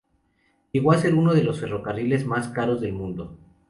Llegó a ser uno de los ferrocarriles más caros del mundo.